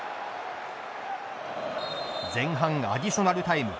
前半アディショナルタイム。